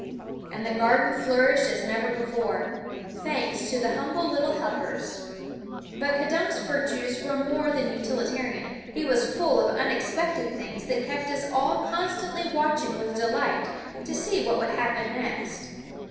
And the garden flourished as never before, thanks to the humble little helpers. But K'dunk's virtues were more than utilitarian; he was full of unexpected things that kept us all constantly watching with delight to see what would happen next.